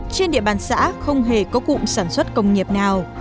trên địa bàn xã không hề có cụm sản xuất công nghiệp nào